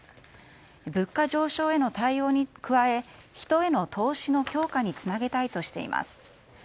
物価上昇への対応に加え人への投資の強化につなげたいとしています。